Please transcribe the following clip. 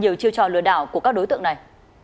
nhiều chiêu trò lừa đảo của các đối tượng này